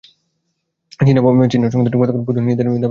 চীনা সংস্থাটি গতকাল বুধবার নিজেদের দাবির পক্ষে কয়েকটি ছবিও প্রকাশ করেছে।